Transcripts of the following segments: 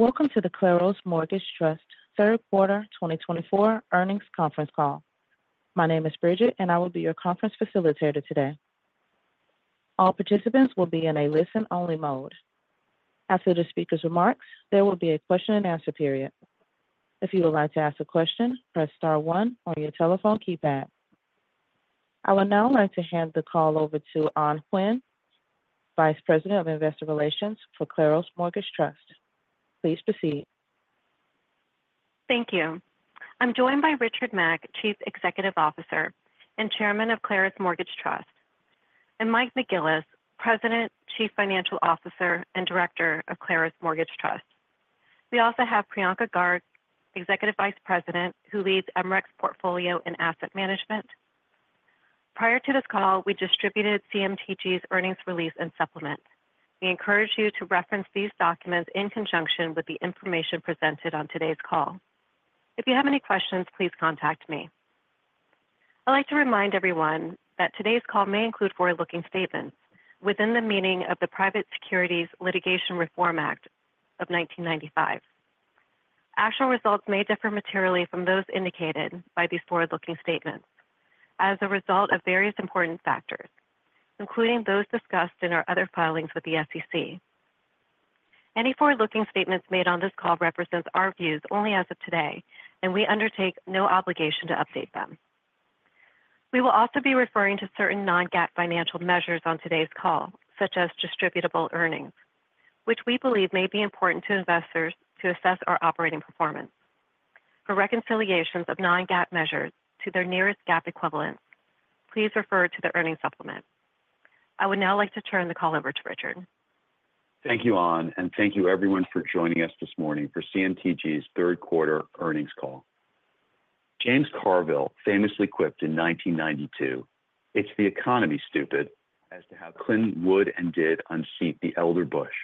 Welcome to the Claros Mortgage Trust Q3 2024 Earnings Conference Call. My name is Bridget, and I will be your conference facilitator today. All participants will be in a listen-only mode. After the speaker's remarks, there will be a question-and-answer period. If you would like to ask a question, press star one on your telephone keypad. I would now like to hand the call over to Anh Huynh, Vice President of Investor Relations for Claros Mortgage Trust. Please proceed. Thank you. I'm joined by Richard Mack, Chief Executive Officer and Chairman of Claros Mortgage Trust, and Mike McGillis, President, Chief Financial Officer, and Director of Claros Mortgage Trust. We also have Priyanka Garg, Executive Vice President, who leads MRECS Portfolio and Asset Management. Prior to this call, we distributed CMTG's earnings release and supplement. We encourage you to reference these documents in conjunction with the information presented on today's call. If you have any questions, please contact me. I'd like to remind everyone that today's call may include forward-looking statements within the meaning of the Private Securities Litigation Reform Act of 1995. Actual results may differ materially from those indicated by these forward-looking statements as a result of various important factors, including those discussed in our other filings with the SEC. Any forward-looking statements made on this call represents our views only as of today, and we undertake no obligation to update them. We will also be referring to certain non-GAAP financial measures on today's call, such as distributable earnings, which we believe may be important to investors to assess our operating performance. For reconciliations of non-GAAP measures to their nearest GAAP equivalents, please refer to the earnings supplement. I would now like to turn the call over to Richard. Thank you, Anh, and thank you, everyone, for joining us this morning for CMTG's Q3 earnings call. James Carville famously quipped in 1992, "It's the economy stupid as to how Clinton would and did unseat the elder Bush."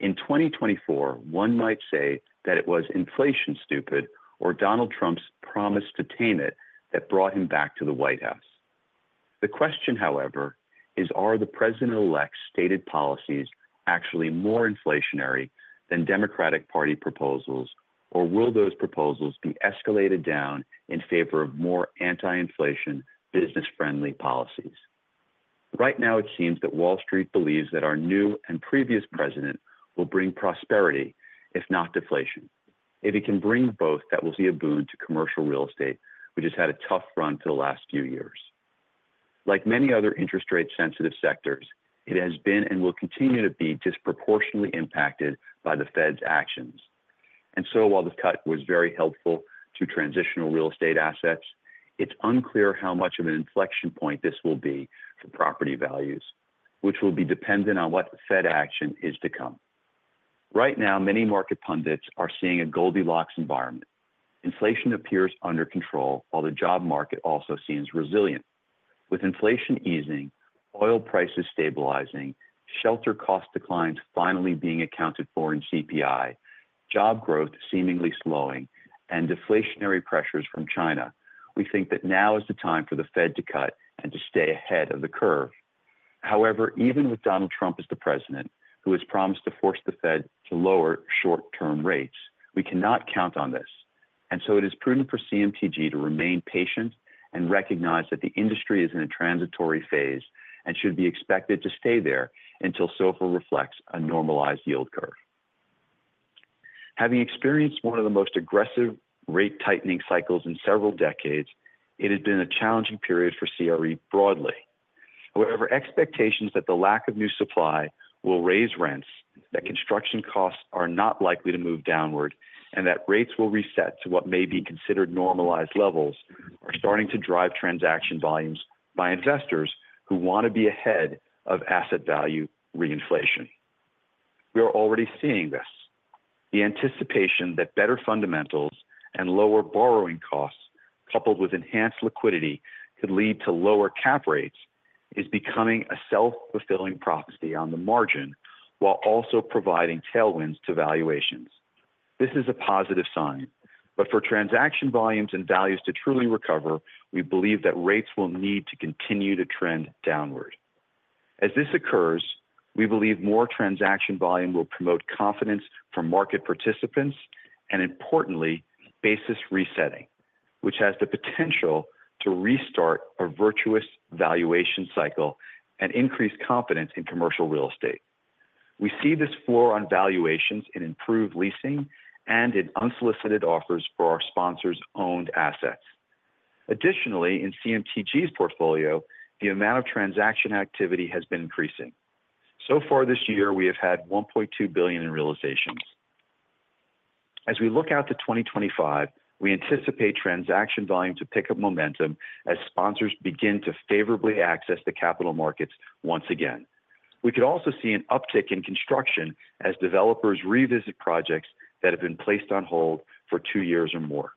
In 2024, one might say that it was inflation stupid or Donald Trump's promise to tame it that brought him back to the White House. The question, however, is, are the President-elect's stated policies actually more inflationary than Democratic Party proposals, or will those proposals be escalated down in favor of more anti-inflation, business-friendly policies? Right now, it seems that Wall Street believes that our new and previous president will bring prosperity, if not deflation. If he can bring both, that will be a boon to commercial real estate, which has had a tough run for the last few years. Like many other interest rate-sensitive sectors, it has been and will continue to be disproportionately impacted by the Fed's actions. And so, while the cut was very helpful to transitional real estate assets, it's unclear how much of an inflection point this will be for property values, which will be dependent on what Fed action is to come. Right now, many market pundits are seeing a Goldilocks environment. Inflation appears under control, while the job market also seems resilient. With inflation easing, oil prices stabilizing, shelter cost declines finally being accounted for in CPI, job growth seemingly slowing, and deflationary pressures from China, we think that now is the time for the Fed to cut and to stay ahead of the curve. However, even with Donald Trump as the president, who has promised to force the Fed to lower short-term rates, we cannot count on this. And so, it is prudent for CMTG to remain patient and recognize that the industry is in a transitory phase and should be expected to stay there until SOFR reflects a normalized yield curve. Having experienced one of the most aggressive rate-tightening cycles in several decades, it has been a challenging period for CRE broadly. However, expectations that the lack of new supply will raise rents, that construction costs are not likely to move downward, and that rates will reset to what may be considered normalized levels are starting to drive transaction volumes by investors who want to be ahead of asset value reinflation. We are already seeing this. The anticipation that better fundamentals and lower borrowing costs, coupled with enhanced liquidity, could lead to lower cap rates is becoming a self-fulfilling prophecy on the margin while also providing tailwinds to valuations. This is a positive sign. But for transaction volumes and values to truly recover, we believe that rates will need to continue to trend downward. As this occurs, we believe more transaction volume will promote confidence from market participants and, importantly, basis resetting, which has the potential to restart a virtuous valuation cycle and increase confidence in commercial real estate. We see this floor on valuations in improved leasing and in unsolicited offers for our sponsors' owned assets. Additionally, in CMTG's portfolio, the amount of transaction activity has been increasing. So far this year, we have had $1.2 billion in realizations. As we look out to 2025, we anticipate transaction volume to pick up momentum as sponsors begin to favorably access the capital markets once again. We could also see an uptick in construction as developers revisit projects that have been placed on hold for two years or more.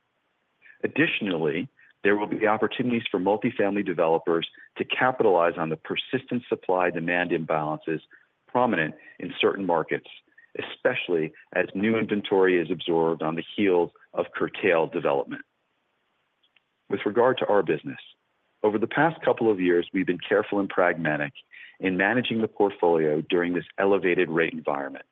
Additionally, there will be opportunities for multifamily developers to capitalize on the persistent supply-demand imbalances prominent in certain markets, especially as new inventory is absorbed on the heels of curtailed development. With regard to our business, over the past couple of years, we've been careful and pragmatic in managing the portfolio during this elevated rate environment.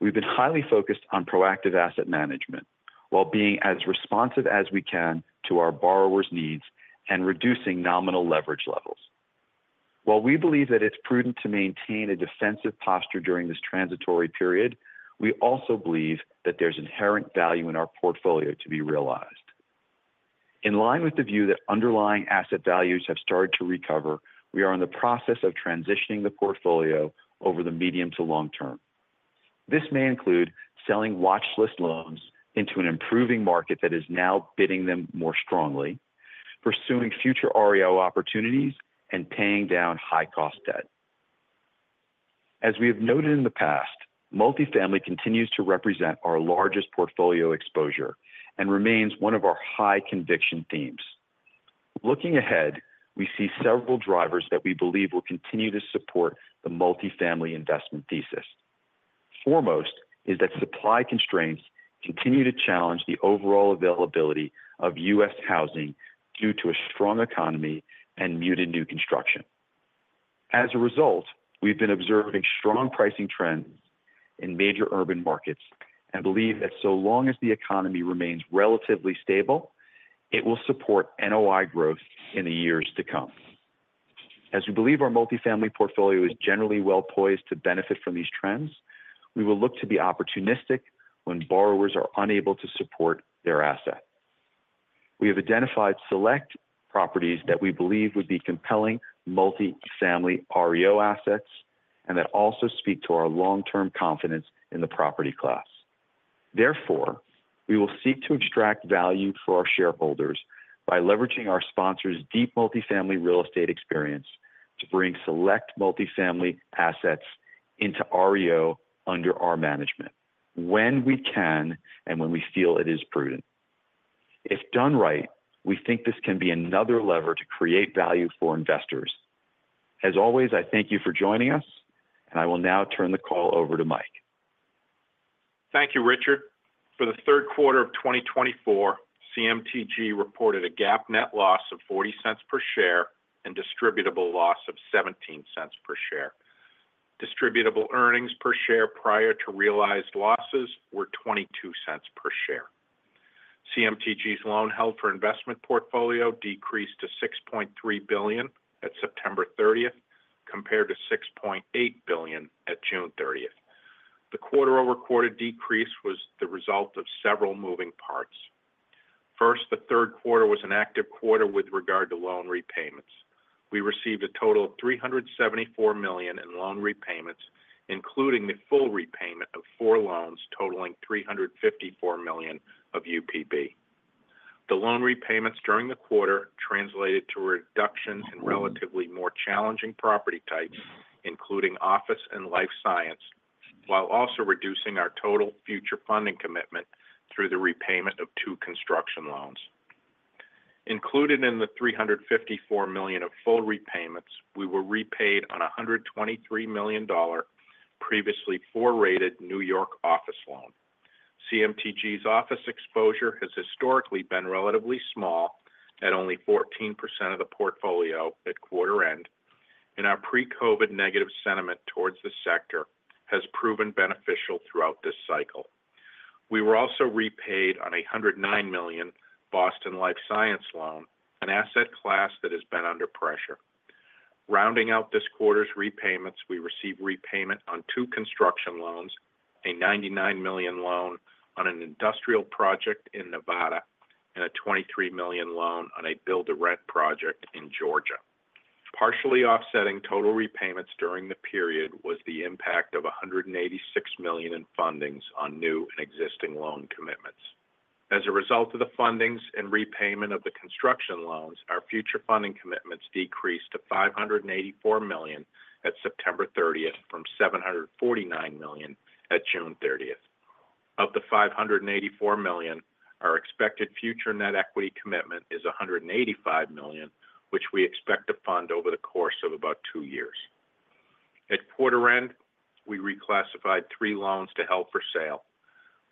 We've been highly focused on proactive asset management while being as responsive as we can to our borrowers' needs and reducing nominal leverage levels. While we believe that it's prudent to maintain a defensive posture during this transitory period, we also believe that there's inherent value in our portfolio to be realized. In line with the view that underlying asset values have started to recover, we are in the process of transitioning the portfolio over the medium to long term. This may include selling watchlist loans into an improving market that is now bidding them more strongly, pursuing future REO opportunities, and paying down high-cost debt. As we have noted in the past, multifamily continues to represent our largest portfolio exposure and remains one of our high conviction themes. Looking ahead, we see several drivers that we believe will continue to support the multifamily investment thesis. Foremost is that supply constraints continue to challenge the overall availability of U.S. housing due to a strong economy and muted new construction. As a result, we've been observing strong pricing trends in major urban markets and believe that so long as the economy remains relatively stable, it will support NOI growth in the years to come. As we believe our multifamily portfolio is generally well poised to benefit from these trends, we will look to be opportunistic when borrowers are unable to support their asset. We have identified select properties that we believe would be compelling multifamily REO assets and that also speak to our long-term confidence in the property class. Therefore, we will seek to extract value for our shareholders by leveraging our sponsors' deep multifamily real estate experience to bring select multifamily assets into REO under our management when we can and when we feel it is prudent. If done right, we think this can be another lever to create value for investors. As always, I thank you for joining us, and I will now turn the call over to Mike. Thank you, Richard. For the Q3 of 2024, CMTG reported a GAAP net loss of $0.40 per share and distributable loss of $0.17 per share. Distributable earnings per share prior to realized losses were $0.22 per share. CMTG's loan held for investment portfolio decreased to $6.3 billion at September 30th compared to $6.8 billion at June 30th. The quarter-over-quarter decrease was the result of several moving parts. First, the Q3 was an active quarter with regard to loan repayments. We received a total of $374 million in loan repayments, including the full repayment of four loans totaling $354 million of UPB. The loan repayments during the quarter translated to a reduction in relatively more challenging property types, including office and life science, while also reducing our total future funding commitment through the repayment of two construction loans. Included in the $354 million of full repayments, we were repaid on a $123 million previously four-rated New York office loan. CMTG's office exposure has historically been relatively small at only 14% of the portfolio at quarter end, and our pre-COVID negative sentiment towards the sector has proven beneficial throughout this cycle. We were also repaid on a $109 million Boston life science loan, an asset class that has been under pressure. Rounding out this quarter's repayments, we received repayment on two construction loans, a $99 million loan on an industrial project in Nevada, and a $23 million loan on a build-to-rent project in Georgia. Partially offsetting total repayments during the period was the impact of $186 million in fundings on new and existing loan commitments. As a result of the fundings and repayment of the construction loans, our future funding commitments decreased to $584 million at September 30th from $749 million at June 30th. Of the $584 million, our expected future net equity commitment is $185 million, which we expect to fund over the course of about two years. At quarter end, we reclassified three loans to held for sale.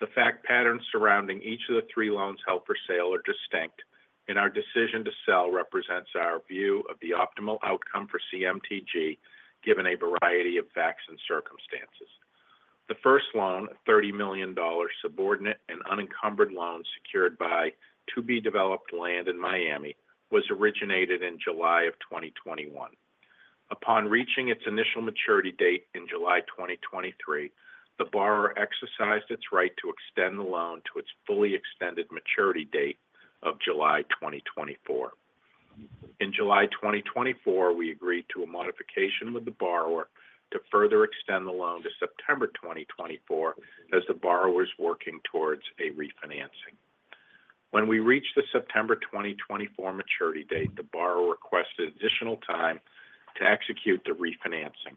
The fact patterns surrounding each of the three loans held for sale are distinct, and our decision to sell represents our view of the optimal outcome for CMTG, given a variety of facts and circumstances. The first loan, a $30 million subordinate and unencumbered loan secured by to-be-developed land in Miami, was originated in July of 2021. Upon reaching its initial maturity date in July 2023, the borrower exercised its right to extend the loan to its fully extended maturity date of July 2024. In July 2024, we agreed to a modification with the borrower to further extend the loan to September 2024 as the borrower is working towards a refinancing. When we reached the September 2024 maturity date, the borrower requested additional time to execute the refinancing.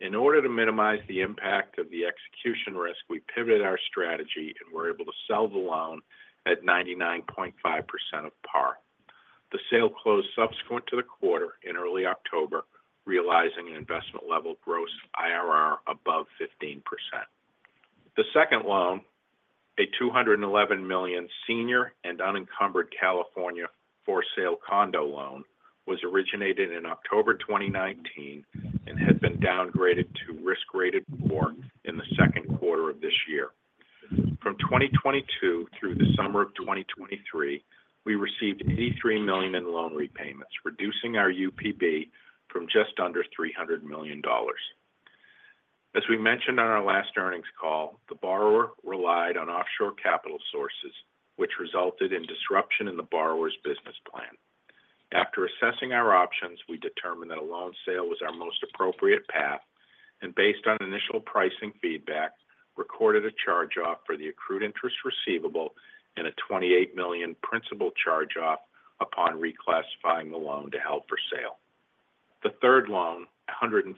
In order to minimize the impact of the execution risk, we pivoted our strategy and were able to sell the loan at 99.5% of par. The sale closed subsequent to the quarter in early October, realizing an investment-level gross IRR above 15%. The second loan, a $211 million senior and unencumbered California for-sale condo loan, was originated in October 2019 and had been downgraded to risk-rated 4 in the Q2 of this year. From 2022 through the summer of 2023, we received $83 million in loan repayments, reducing our UPB from just under $300 million. As we mentioned on our last earnings call, the borrower relied on offshore capital sources, which resulted in disruption in the borrower's business plan. After assessing our options, we determined that a loan sale was our most appropriate path and, based on initial pricing feedback, recorded a charge-off for the accrued interest receivable and a $28 million principal charge-off upon reclassifying the loan to held for sale. The third loan, $115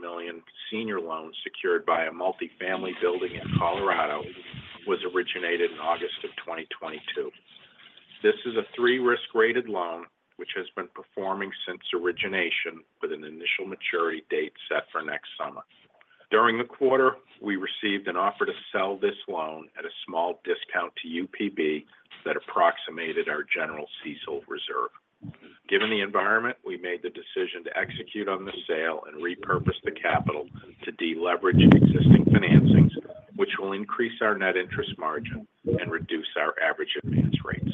million senior loan secured by a multifamily building in Colorado, was originated in August of 2022. This is a three-risk-rated loan, which has been performing since origination with an initial maturity date set for next summer. During the quarter, we received an offer to sell this loan at a small discount to UPB that approximated our general CECL reserve. Given the environment, we made the decision to execute on the sale and repurpose the capital to deleverage existing financings, which will increase our net interest margin and reduce our average advance rates.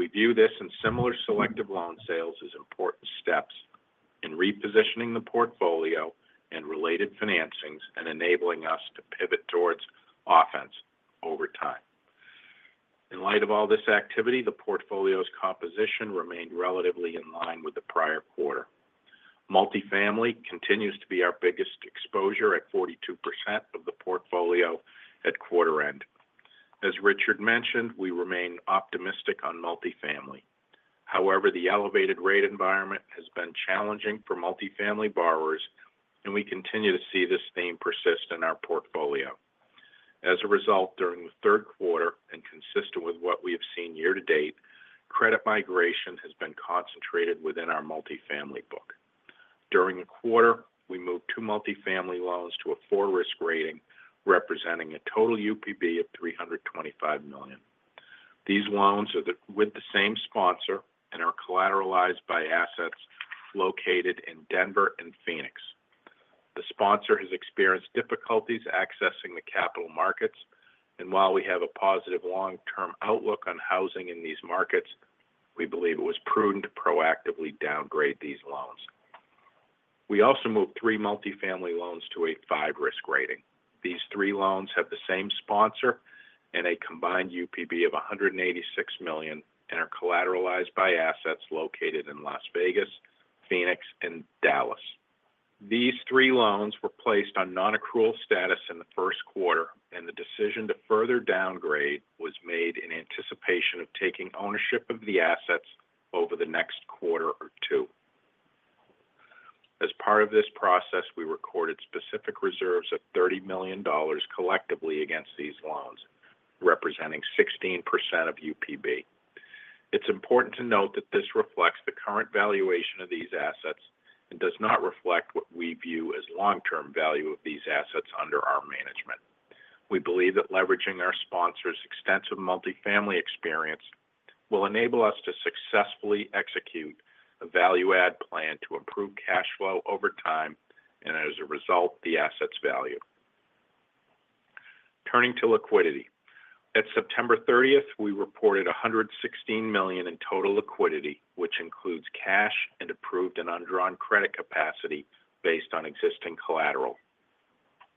We view this and similar selective loan sales as important steps in repositioning the portfolio and related financings and enabling us to pivot towards offense over time. In light of all this activity, the portfolio's composition remained relatively in line with the prior quarter. Multifamily continues to be our biggest exposure at 42% of the portfolio at quarter end. As Richard mentioned, we remain optimistic on multifamily. However, the elevated rate environment has been challenging for multifamily borrowers, and we continue to see this theme persist in our portfolio. As a result, during the Q3, and consistent with what we have seen year to date, credit migration has been concentrated within our multifamily book. During the quarter, we moved two multifamily loans to a four-risk rating, representing a total UPB of $325 million. These loans are with the same sponsor and are collateralized by assets located in Denver and Phoenix. The sponsor has experienced difficulties accessing the capital markets, and while we have a positive long-term outlook on housing in these markets, we believe it was prudent to proactively downgrade these loans. We also moved three multifamily loans to a five-risk rating. These three loans have the same sponsor and a combined UPB of $186 million and are collateralized by assets located in Las Vegas, Phoenix, and Dallas. These three loans were placed on non-accrual status in the Q1, and the decision to further downgrade was made in anticipation of taking ownership of the assets over the next quarter or two. As part of this process, we recorded specific reserves of $30 million collectively against these loans, representing 16% of UPB. It's important to note that this reflects the current valuation of these assets and does not reflect what we view as long-term value of these assets under our management. We believe that leveraging our sponsor's extensive multifamily experience will enable us to successfully execute a value-add plan to improve cash flow over time and, as a result, the asset's value. Turning to liquidity, at September 30th, we reported $116 million in total liquidity, which includes cash and approved and undrawn credit capacity based on existing collateral.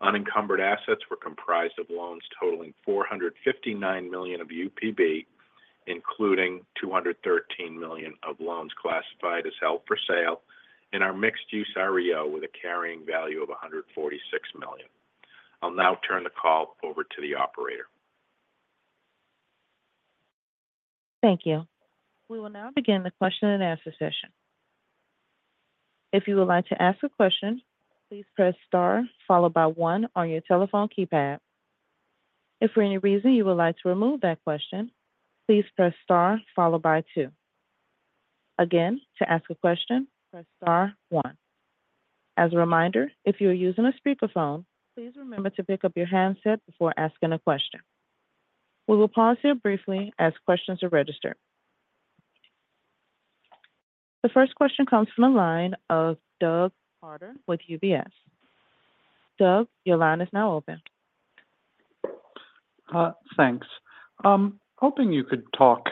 Unencumbered assets were comprised of loans totaling $459 million of UPB, including $213 million of loans classified as held for sale, and our mixed-use REO with a carrying value of $146 million. I'll now turn the call over to the operator. Thank you. We will now begin the question-and-answer session. If you would like to ask a question, please press star followed by one on your telephone keypad. If for any reason you would like to remove that question, please press star followed by two. Again, to ask a question, press star one. As a reminder, if you are using a speakerphone, please remember to pick up your handset before asking a question. We will pause here briefly as questions are registered. The first question comes from the line of Doug Harter with UBS. Doug, your line is now open. Thanks. Hoping you could talk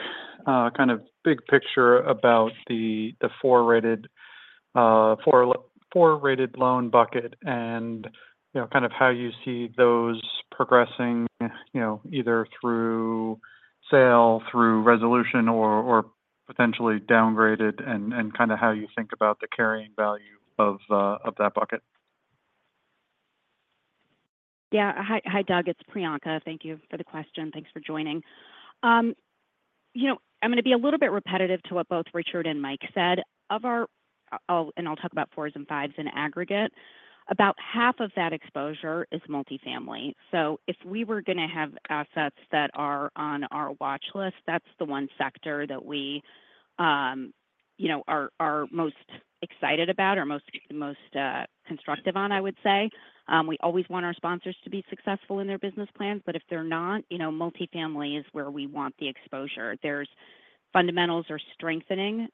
kind of big picture about the four-rated loan bucket and kind of how you see those progressing either through sale, through resolution, or potentially downgraded, and kind of how you think about the carrying value of that bucket? Hi, Doug. It's Priyanka. Thank you for the question. Thanks for joining. I'm going to be a little bit repetitive to what both Richard and Mike said, and I'll talk about fours and fives in aggregate. About half of that exposure is multifamily, so if we were going to have assets that are on our watch list, that's the one sector that we are most excited about or most constructive on, I would say. We always want our sponsors to be successful in their business plans, but if they're not, multifamily is where we want the exposure. There's fundamentals or strengthening.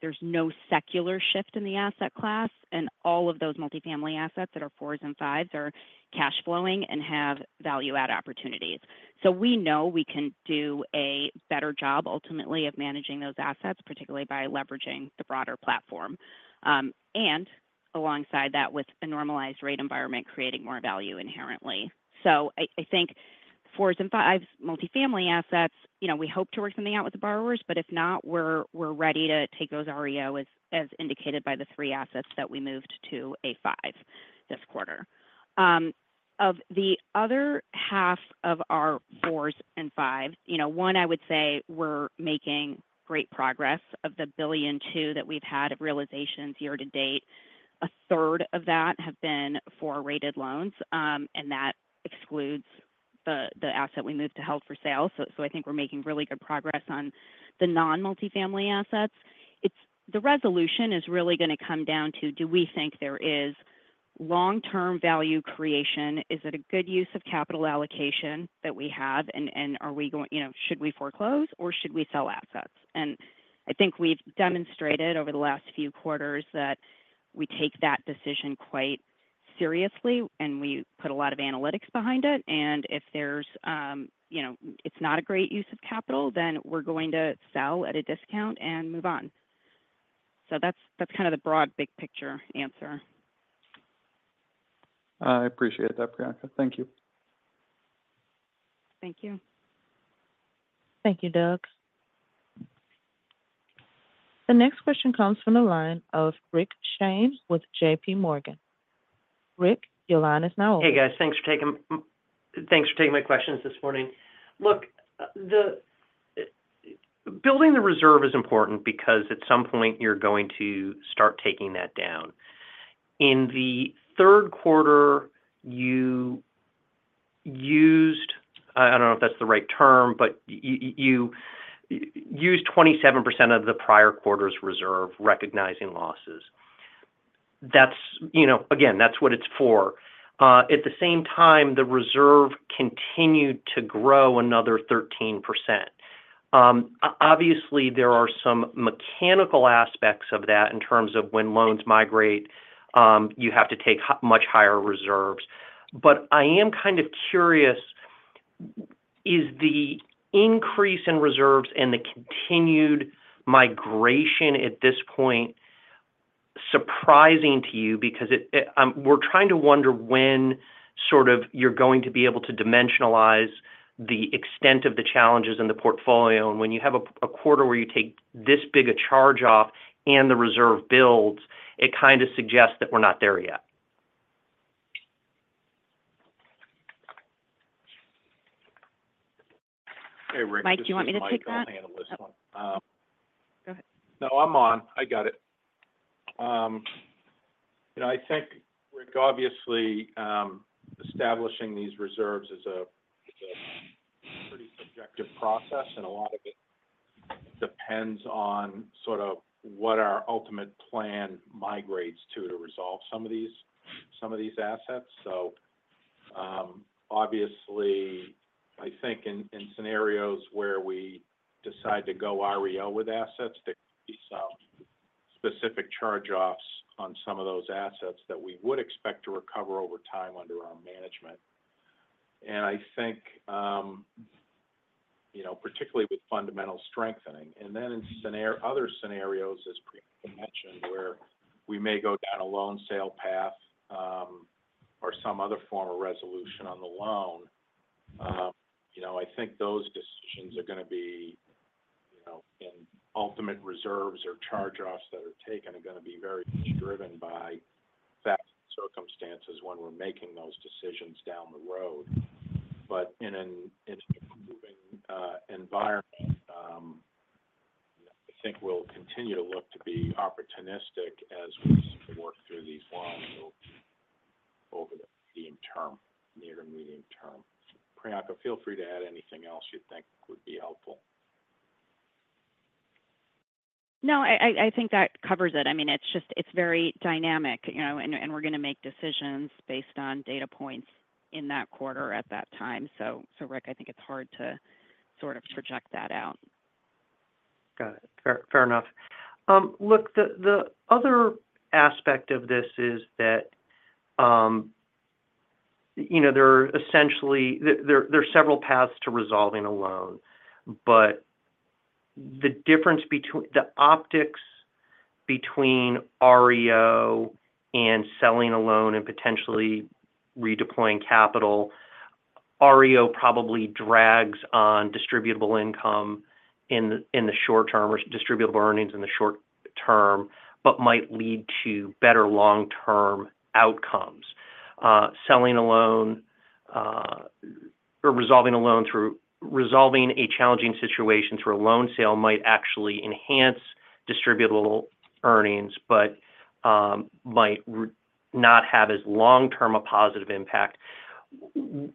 There's no secular shift in the asset class, and all of those multifamily assets that are fours and fives are cash-flowing and have value-add opportunities. We know we can do a better job ultimately of managing those assets, particularly by leveraging the broader platform and, alongside that, with a normalized rate environment creating more value inherently. I think fours and fives, multifamily assets, we hope to work something out with the borrowers, but if not, we're ready to take those REOs as indicated by the three assets that we moved to a five this quarter. Of the other half of our fours and fives, one, I would say we're making great progress. Of the $1.2 billion that we've had of realizations year to date, a third of that have been four-rated loans, and that excludes the asset we moved to held for sale. I think we're making really good progress on the non-multifamily assets. The resolution is really going to come down to, do we think there is long-term value creation? Is it a good use of capital allocation that we have? And should we foreclose, or should we sell assets? And I think we've demonstrated over the last few quarters that we take that decision quite seriously, and we put a lot of analytics behind it. And if it's not a great use of capital, then we're going to sell at a discount and move on. So that's kind of the broad big picture answer. I appreciate that, Priyanka. Thank you. Thank you. Thank you, Doug. The next question comes from the line of Rick Shane with JPMorgan. Rick, your line is now open. Hey, guys. Thanks for taking my questions this morning. Look, building the reserve is important because at some point you're going to start taking that down. In the Q3, you used, I don't know if that's the right term, but you used 27% of the prior quarter's reserve recognizing losses. Again, that's what it's for. At the same time, the reserve continued to grow another 13%. Obviously, there are some mechanical aspects of that in terms of when loans migrate, you have to take much higher reserves. But I am kind of curious, is the increase in reserves and the continued migration at this point surprising to you? Because we're trying to wonder when sort of you're going to be able to dimensionalize the extent of the challenges in the portfolio. When you have a quarter where you take this big a charge-off and the reserve builds, it kind of suggests that we're not there yet. Hey, Rick. Mike, do you want me to take that? No, I'm on. I got it. I think, Rick, obviously, establishing these reserves is a pretty subjective process, and a lot of it depends on sort of what our ultimate plan migrates to to resolve some of these assets. So obviously, I think in scenarios where we decide to go REO with assets, there could be some specific charge-offs on some of those assets that we would expect to recover over time under our management. And I think, particularly with fundamental strengthening. And then in other scenarios, as Priyanka mentioned, where we may go down a loan sale path or some other form of resolution on the loan, I think those decisions are going to be, and ultimate reserves or charge-offs that are taken are going to be very much driven by facts and circumstances when we're making those decisions down the road. But in an improving environment, I think we'll continue to look to be opportunistic as we work through these loans over the medium term, near-medium term. Priyanka, feel free to add anything else you think would be helpful. No, I think that covers it. I mean, it's very dynamic, and we're going to make decisions based on data points in that quarter at that time. So, Rick, I think it's hard to sort of project that out. Got it. Fair enough. Look, the other aspect of this is that there are essentially, there are several paths to resolving a loan, but the optics between REO and selling a loan and potentially redeploying capital, REO probably drags on distributable income in the short term or distributable earnings in the short term, but might lead to better long-term outcomes. Selling a loan or resolving a loan through resolving a challenging situation through a loan sale might actually enhance distributable earnings, but might not have as long-term a positive impact.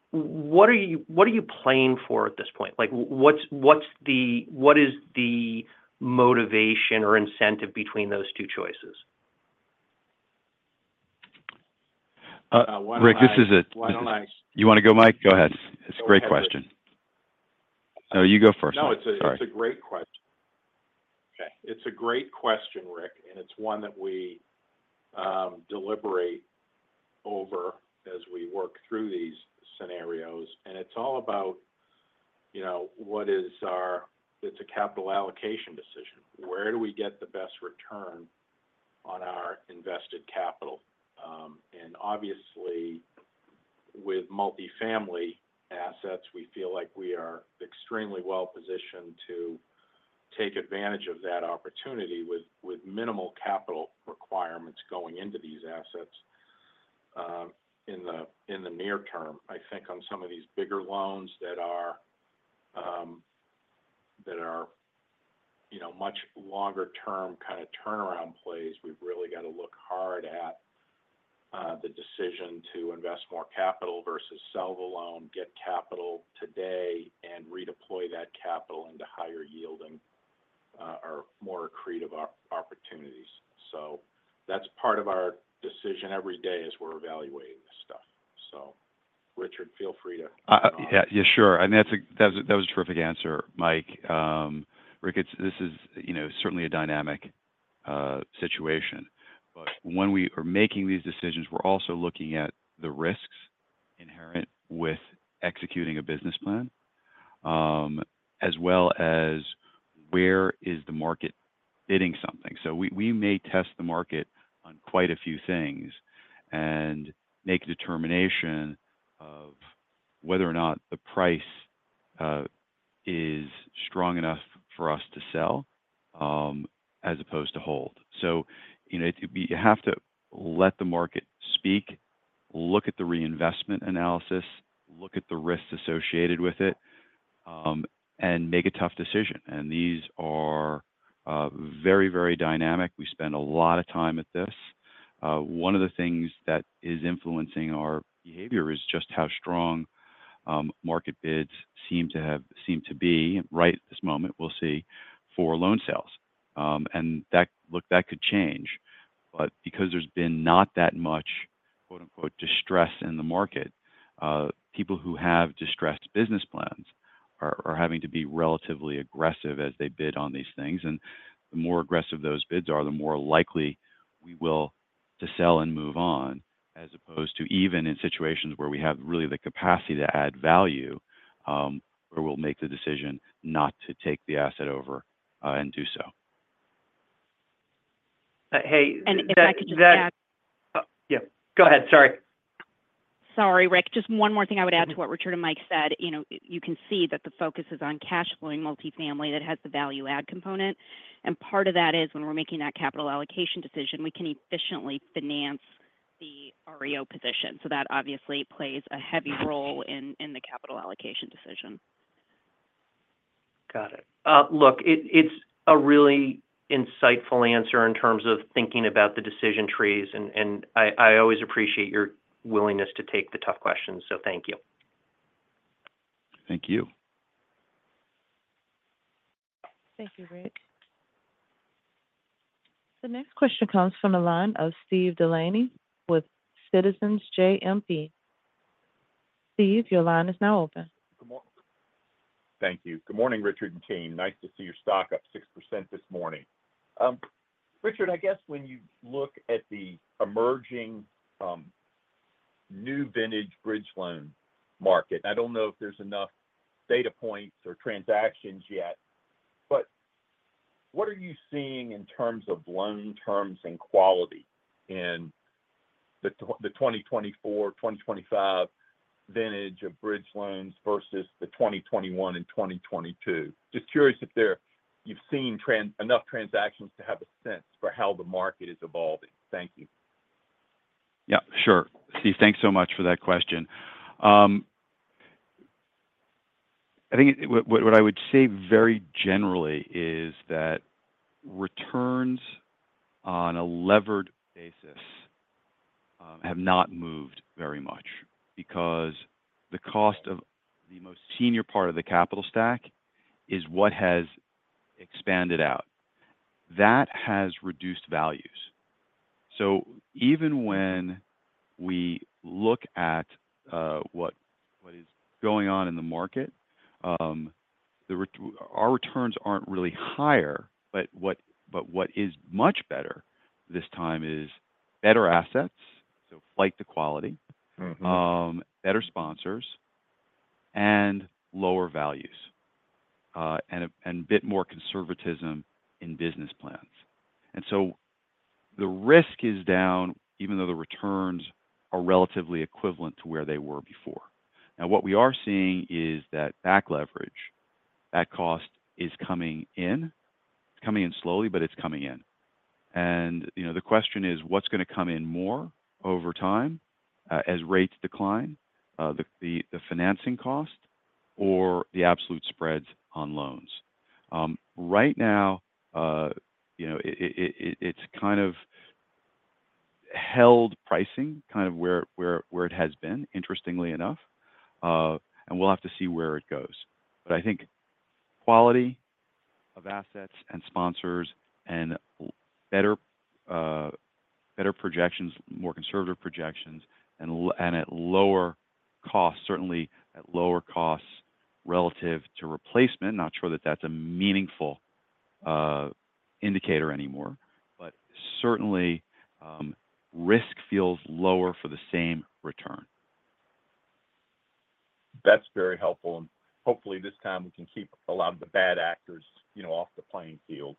What are you playing for at this point? What is the motivation or incentive between those two choices? Rick, this is a, you want to go, Mike? Go ahead. It's a great question. No, you go first. No, it's a great question. Okay. It's a great question, Rick, and it's one that we deliberate over as we work through these scenarios. And it's all about what is our, it's a capital allocation decision. Where do we get the best return on our invested capital? And obviously, with multifamily assets, we feel like we are extremely well-positioned to take advantage of that opportunity with minimal capital requirements going into these assets in the near term. I think on some of these bigger loans that are much longer-term kind of turnaround plays, we've really got to look hard at the decision to invest more capital versus sell the loan, get capital today, and redeploy that capital into higher yielding or more accretive opportunities. So that's part of our decision every day as we're evaluating this stuff. So, Richard, feel free to Sure. I mean, that was a terrific answer, Mike. Rick, this is certainly a dynamic situation. But when we are making these decisions, we're also looking at the risks inherent with executing a business plan, as well as where is the market bidding something. So we may test the market on quite a few things and make a determination of whether or not the price is strong enough for us to sell as opposed to hold. So you have to let the market speak, look at the reinvestment analysis, look at the risks associated with it, and make a tough decision. And these are very, very dynamic. We spend a lot of time at this. One of the things that is influencing our behavior is just how strong market bids seem to be right at this moment, we'll see, for loan sales. And that could change. But because there's been not that much "distress" in the market, people who have distressed business plans are having to be relatively aggressive as they bid on these things. And the more aggressive those bids are, the more likely we will to sell and move on, as opposed to even in situations where we have really the capacity to add value, where we'll make the decision not to take the asset over and do so. Hey, if I could just add. Go ahead. Sorry. Sorry, Rick. Just one more thing I would add to what Richard and Mike said. You can see that the focus is on cash-flowing multifamily that has the value-add component. And part of that is when we're making that capital allocation decision, we can efficiently finance the REO position. So that obviously plays a heavy role in the capital allocation decision. Got it. Look, it's a really insightful answer in terms of thinking about the decision trees. And I always appreciate your willingness to take the tough questions. So thank you. Thank you. Thank you, Rick. The next question comes from the line of Steven Delaney with Citizens JMP. Steven, your line is now open. Thank you. Good morning, Richard and team. Nice to see your stock up 6% this morning. Richard, I guess when you look at the emerging new vintage bridge loan market, I don't know if there's enough data points or transactions yet, but what are you seeing in terms of loan terms and quality in the 2024, 2025 vintage of bridge loans versus the 2021 and 2022? Just curious if you've seen enough transactions to have a sense for how the market is evolving. Thank you. Sure. Steven, thanks so much for that question. I think what I would say very generally is that returns on a levered basis have not moved very much because the cost of the most senior part of the capital stack is what has expanded out. That has reduced values. So even when we look at what is going on in the market, our returns aren't really higher, but what is much better this time is better assets, so flight to quality, better sponsors, and lower values, and a bit more conservatism in business plans. And so the risk is down, even though the returns are relatively equivalent to where they were before. Now, what we are seeing is that back leverage, that cost is coming in. It's coming in slowly, but it's coming in. The question is, what's going to come in more over time as rates decline, the financing cost, or the absolute spreads on loans? Right now, it's kind of held pricing, kind of where it has been, interestingly enough. We'll have to see where it goes. I think quality of assets and sponsors and better projections, more conservative projections, and at lower costs, certainly at lower costs relative to replacement. Not sure that that's a meaningful indicator anymore, but certainly risk feels lower for the same return. That's very helpful. And hopefully, this time, we can keep a lot of the bad actors off the playing field.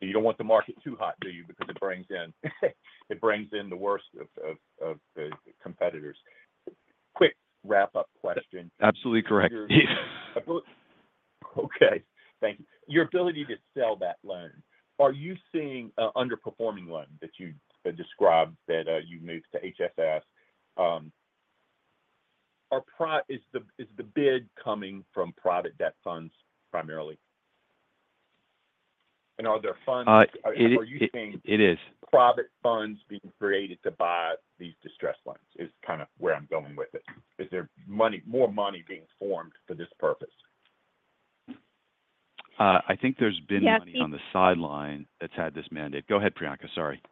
And you don't want the market too hot, do you? Because it brings in the worst of the competitors. Quick wrap-up question. Absolutely correct. Okay. Thank you. Your ability to sell that loan, are you seeing an underperforming one that you described that you moved to HSS? Is the bid coming from private debt funds primarily? And are there funds? Are you seeing private funds being created to buy these distressed loans? Is kind of where I'm going with it. Is there more money being formed for this purpose? I think there's been money on the sidelines that's had this mandate. Go ahead, Priyanka. Sorry.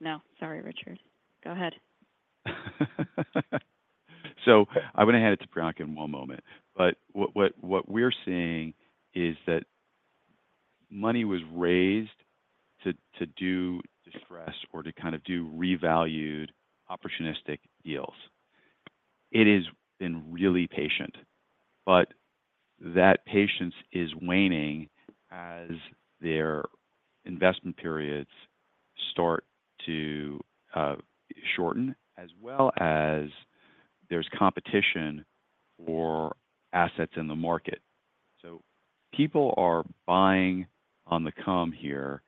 No. Sorry, Richard. Go ahead. So I'm going to hand it to Priyanka in one moment. But what we're seeing is that money was raised to do distressed or to kind of do revalued opportunistic deals. It has been really patient, but that patience is waning as their investment periods start to shorten, as well as there's competition for assets in the market. So people are buying on the come here,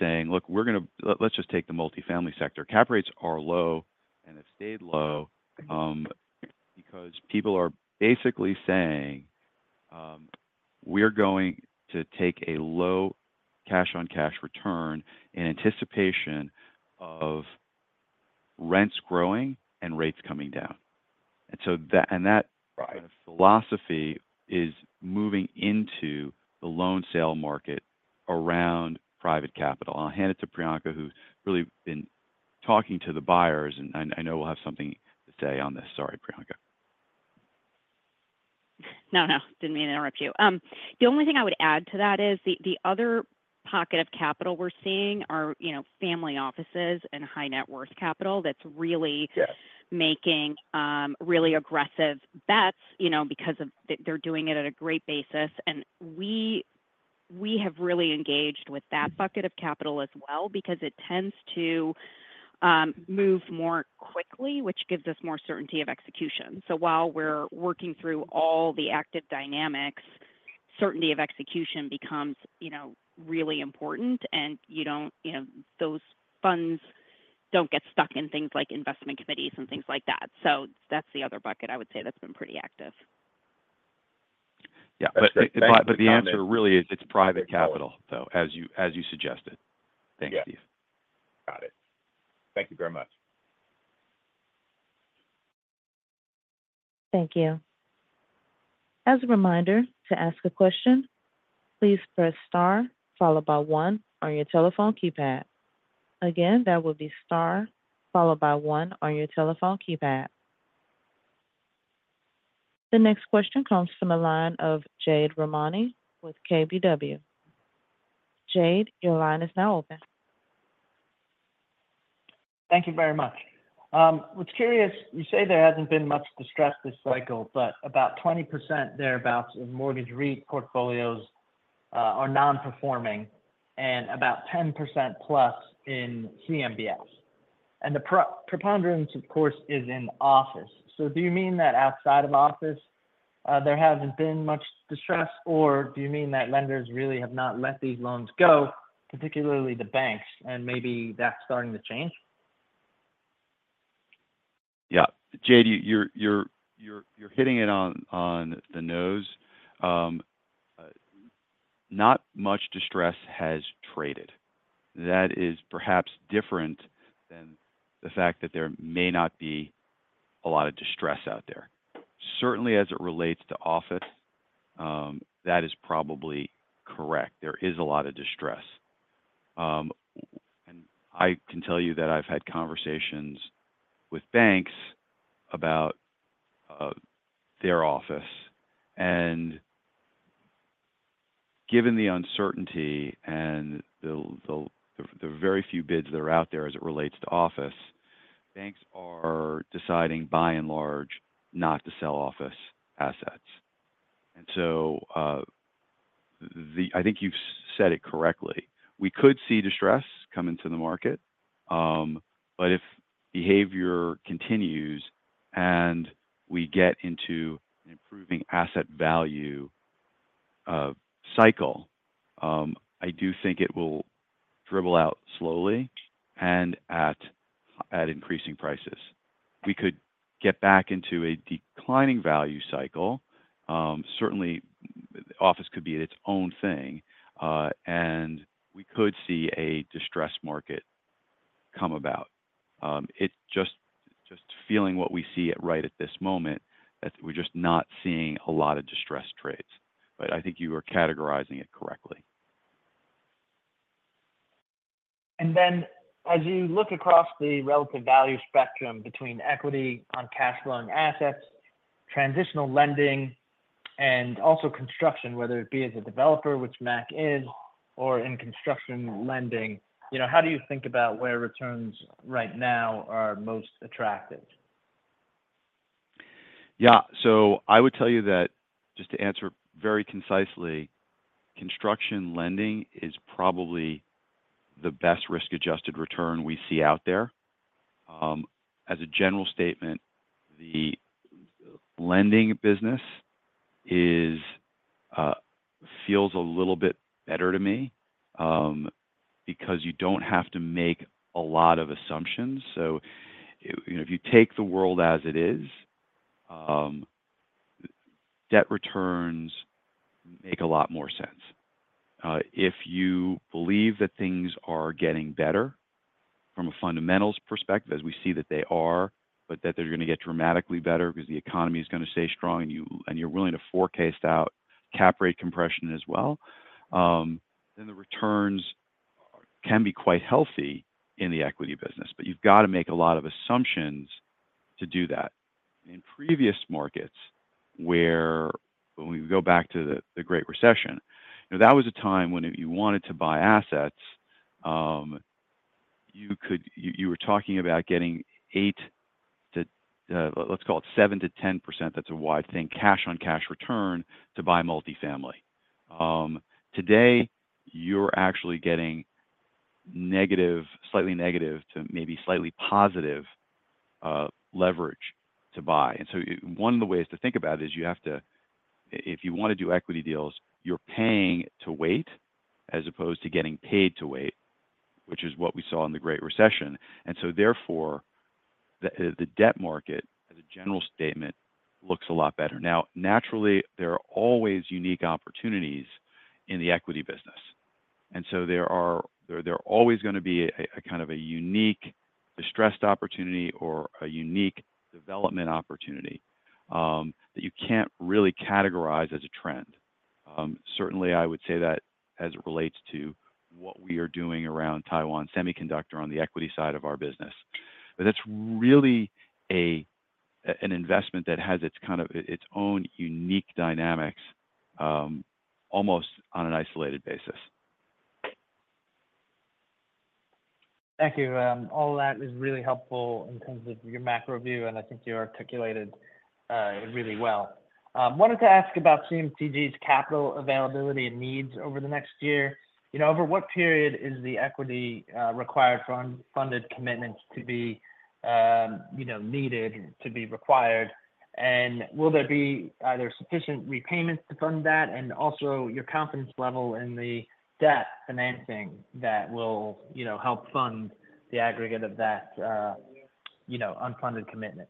saying, "Look, let's just take the multifamily sector. Cap rates are low and have stayed low because people are basically saying, 'We're going to take a low cash-on-cash return in anticipation of rents growing and rates coming down.'" And that philosophy is moving into the loan sale market around private capital. I'll hand it to Priyanka, who's really been talking to the buyers, and I know we'll have something to say on this. Sorry, Priyanka. No, no. Didn't mean to interrupt you. The only thing I would add to that is the other pocket of capital we're seeing are family offices and high-net-worth capital that's really making really aggressive bets because they're doing it at a great basis. And we have really engaged with that bucket of capital as well because it tends to move more quickly, which gives us more certainty of execution. So while we're working through all the active dynamics, certainty of execution becomes really important, and those funds don't get stuck in things like investment committees and things like that. So that's the other bucket I would say that's been pretty active. But the answer really is it's private capital, though, as you suggested. Thanks, Steven. Got it. Thank you very much. Thank you. As a reminder to ask a question, please press star followed by one on your telephone keypad. Again, that will be star followed by one on your telephone keypad. The next question comes from the line of Jade Rahmani with KBW. Jade, your line is now open. Thank you very much. I was curious. You say there hasn't been much distressed this cycle, but about 20% thereabouts of mortgage portfolios are non-performing and about 10% plus in CMBS, and the preponderance, of course, is in office, so do you mean that outside of office, there hasn't been much distress, or do you mean that lenders really have not let these loans go, particularly the banks, and maybe that's starting to change? Jade, you're hitting it on the nose. Not much distress has traded. That is perhaps different than the fact that there may not be a lot of distress out there. Certainly, as it relates to office, that is probably correct. There is a lot of distress, and I can tell you that I've had conversations with banks about their office, and given the uncertainty and the very few bids that are out there as it relates to office, banks are deciding, by and large, not to sell office assets, and so I think you've said it correctly. We could see distress come into the market, but if behavior continues and we get into an improving asset value cycle, I do think it will dribble out slowly and at increasing prices. We could get back into a declining value cycle. Certainly, office could be its own thing, and we could see a distressed market come about. Just feeling what we see right at this moment, we're just not seeing a lot of distressed trades. But I think you are categorizing it correctly. And then as you look across the relative value spectrum between equity on cash-flowing assets, transitional lending, and also construction, whether it be as a developer, which Mack is, or in construction lending, how do you think about where returns right now are most attractive? So I would tell you that, just to answer very concisely, construction lending is probably the best risk-adjusted return we see out there. As a general statement, the lending business feels a little bit better to me because you don't have to make a lot of assumptions. So if you take the world as it is, debt returns make a lot more sense. If you believe that things are getting better from a fundamentals perspective, as we see that they are, but that they're going to get dramatically better because the economy is going to stay strong, and you're willing to forecast out cap rate compression as well, then the returns can be quite healthy in the equity business. But you've got to make a lot of assumptions to do that. In previous markets, when we go back to the Great Recession, that was a time when if you wanted to buy assets, you were talking about getting eight to, let's call it, seven to 10% (that's a wide thing) cash-on-cash return to buy multifamily. Today, you're actually getting slightly negative to maybe slightly positive leverage to buy. And so one of the ways to think about it is you have to, if you want to do equity deals, you're paying to wait as opposed to getting paid to wait, which is what we saw in the Great Recession. And so therefore, the debt market, as a general statement, looks a lot better. Now, naturally, there are always unique opportunities in the equity business. And so there are always going to be a kind of a unique distressed opportunity or a unique development opportunity that you can't really categorize as a trend. Certainly, I would say that as it relates to what we are doing around Taiwan Semiconductor on the equity side of our business, but that's really an investment that has its own unique dynamics almost on an isolated basis. Thank you. All of that is really helpful in terms of your macro view, and I think you articulated it really well. I wanted to ask about CMTG's capital availability and needs over the next year. Over what period is the equity required funded commitments to be required? And will there be either sufficient repayments to fund that? And also, your confidence level in the debt financing that will help fund the aggregate of that unfunded commitment?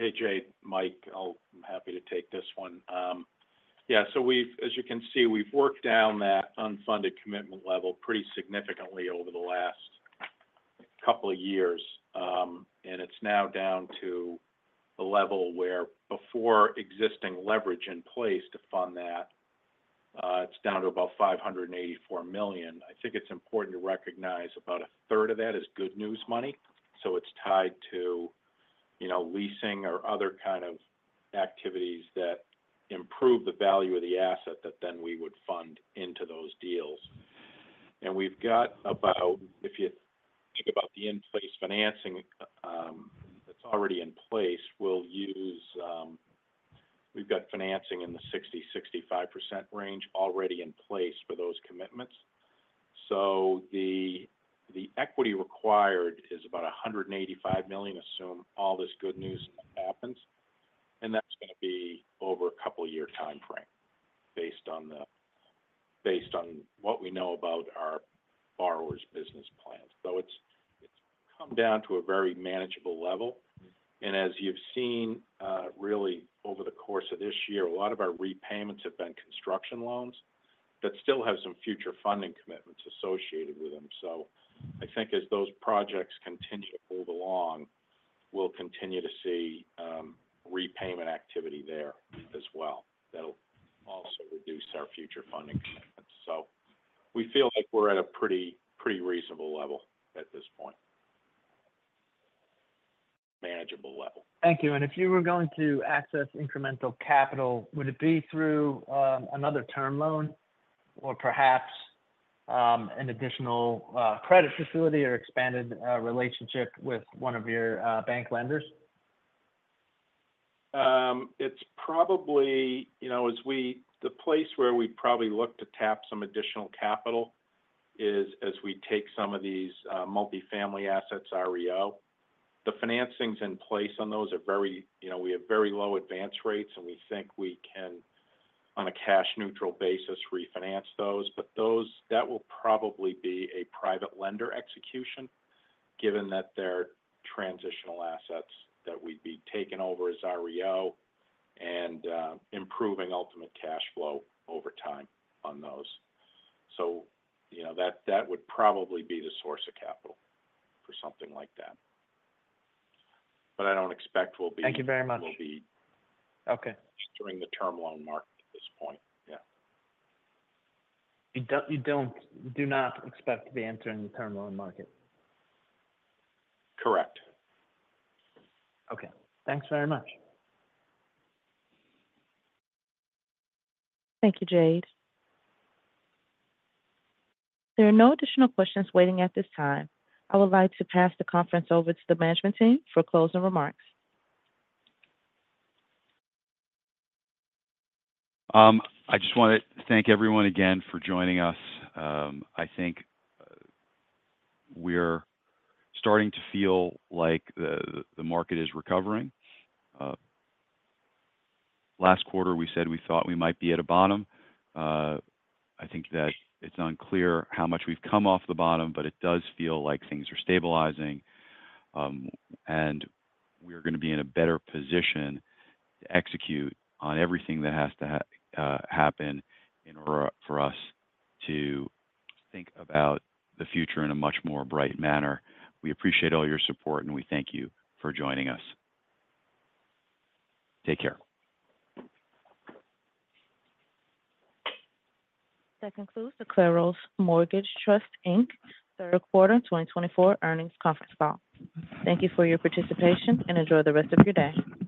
Hey, Jade, Mike. I'm happy to take this one. So as you can see, we've worked down that unfunded commitment level pretty significantly over the last couple of years. And it's now down to a level where, before existing leverage in place to fund that, it's down to about $584 million. I think it's important to recognize about a third of that is good news money. So it's tied to leasing or other kind of activities that improve the value of the asset that then we would fund into those deals. And we've got about, if you think about the in-place financing that's already in place, we've got financing in the 60%-65% range already in place for those commitments. So the equity required is about $185 million, assume all this good news happens. And that's going to be over a couple-year timeframe based on what we know about our borrowers' business plans. So it's come down to a very manageable level. And as you've seen, really, over the course of this year, a lot of our repayments have been construction loans that still have some future funding commitments associated with them. So I think as those projects continue to move along, we'll continue to see repayment activity there as well. That'll also reduce our future funding commitments. So we feel like we're at a pretty reasonable level at this point, manageable level. Thank you. And if you were going to access incremental capital, would it be through another term loan or perhaps an additional credit facility or expanded relationship with one of your bank lenders? It's probably the place where we probably look to tap some additional capital, as we take some of these multifamily assets REO. The financings in place on those are very. We have very low advance rates, and we think we can, on a cash-neutral basis, refinance those. But that will probably be a private lender execution, given that they're transitional assets that we'd be taking over as REO and improving ultimate cash flow over time on those. So that would probably be the source of capital for something like that. But I don't expect we'll be. Thank you very much. Okay. During the term loan market at this point. You do not expect to be entering the term loan market? Correct. Okay. Thanks very much. Thank you, Jade. There are no additional questions waiting at this time. I would like to pass the conference over to the management team for closing remarks. I just want to thank everyone again for joining us. I think we're starting to feel like the market is recovering. Last quarter, we said we thought we might be at a bottom. I think that it's unclear how much we've come off the bottom, but it does feel like things are stabilizing, and we're going to be in a better position to execute on everything that has to happen in order for us to think about the future in a much more bright manner. We appreciate all your support, and we thank you for joining us. Take care. That concludes the Claros Mortgage Trust Inc. Q3 2024 earnings conference call. Thank you for your participation and enjoy the rest of your day.